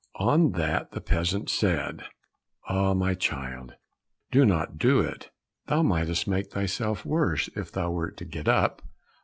On that the peasant said, "Ah, my child, do not do it—thou mightest make thyself worse if thou wert to get up.